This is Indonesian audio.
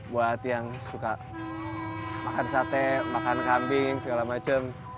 buat yang suka makan sate makan kambing segala macam